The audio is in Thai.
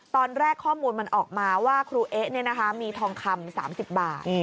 ตอนแรกข้อมูลมันออกมาว่าครูเอ๊ะมีทองคำ๓๐บาท